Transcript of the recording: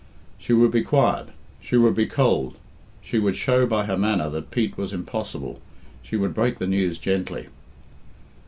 She would be quiet, she would be cold, she would show by her manner that Pete was impossible, she would break the news gently.